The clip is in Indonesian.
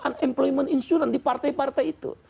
insuransi tanpa pekerjaan di partai partai itu